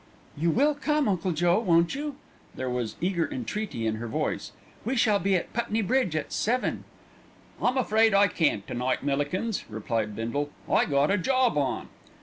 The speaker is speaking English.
"You will come, Uncle Joe, won't you?" There was eager entreaty in her voice. "We shall be at Putney Bridge at seven." "I'm afraid I can't to night, Millikins," replied Bindle. "I got a job on."